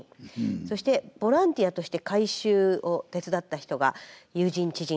そしてボランティアとして改修を手伝った人が友人知人